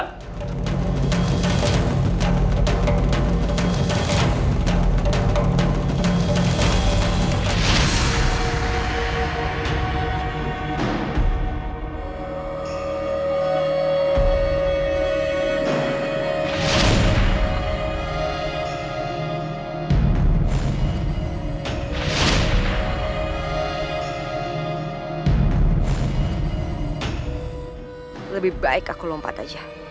lebih baik aku lompat aja